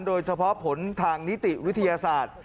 โดยเฉพาะผลทางนิติวิทยาศาสตร์